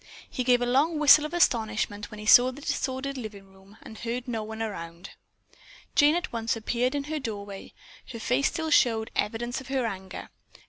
He gave a long whistle of astonishment when he saw the disordered living room and heard no one about. Jane at once appeared in her doorway. Her face still showed evidence of her anger.